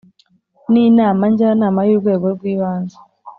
n Inama Njyanama y urwego rw ibanze